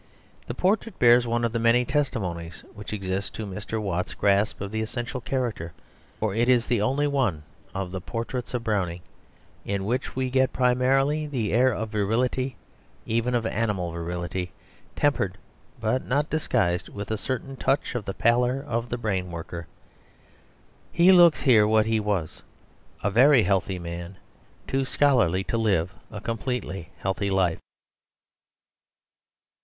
The portrait bears one of the many testimonies which exist to Mr. Watts's grasp of the essential of character, for it is the only one of the portraits of Browning in which we get primarily the air of virility, even of animal virility, tempered but not disguised, with a certain touch of the pallor of the brain worker. He looks here what he was a very healthy man, too scholarly to live a completely healthy life.